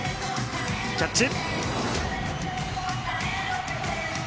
キャッチ。